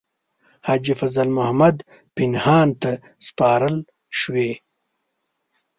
حاجي فضل محمد پنهان ته سپارل شوې.